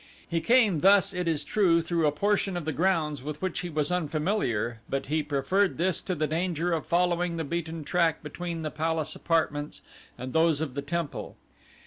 He came thus it is true through a portion of the grounds with which he was unfamiliar but he preferred this to the danger of following the beaten track between the palace apartments and those of the temple.